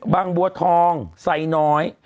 บังบัวทองใส่น้อย